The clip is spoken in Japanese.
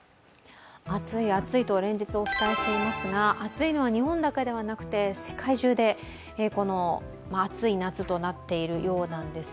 暑い暑いと連日お伝えしていますが暑いのは日本だけではなくて世界中で暑い夏となっているようなんです。